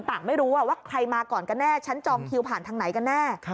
ไม่รู้ว่าใครมาก่อนกันแน่ฉันจองคิวผ่านทางไหนกันแน่